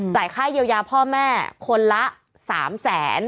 จ่ายค่าเยียวยาพ่อแม่คนละ๓๐๐๐๐๐บาท